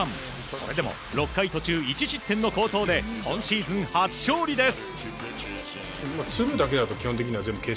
それでも６回途中１失点の好投で今シーズン初勝利です。